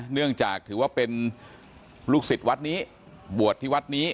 เนื่องจากถือว่าเป็นลูกศิษย์วัดนี้บวชที่วัดนี้